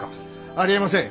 ありえません。